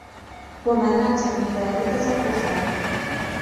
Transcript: ومناة الثالثة الأخرى